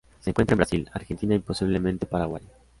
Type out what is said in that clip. Se encuentra en Brasil, Argentina y posiblemente Paraguay.